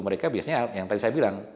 mereka biasanya yang tadi saya bilang